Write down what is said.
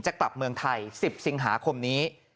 จะกลับเมืองไทย๑๐สิงหาคมนี้